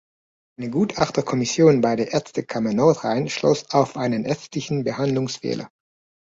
Eine Gutachterkommission bei der Ärztekammer Nordrhein schloss auf einen ärztlichen Behandlungsfehler.